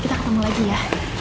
kita ketemu lagi ya